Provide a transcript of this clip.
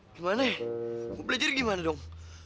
gimana gue belajar gimana dong